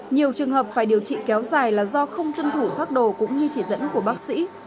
nhiều trường hợp phải điều trị kéo dài là do không tuân thủ pháp đồ cũng như chỉ dẫn của bác sĩ